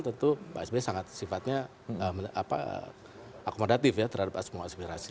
tentu pak sby sangat sifatnya akomodatif ya terhadap semua aspirasi